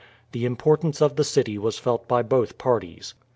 The importance of the city was felt by both parties.